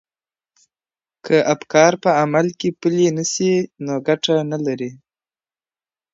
که افکار په عمل کي پلي نه سي نو ګټه نه لري.